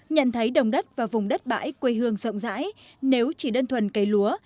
nhận thấy đồng đất và vùng đất bãi quê hương rộng rãi nếu chỉ đơn thuần cây lúa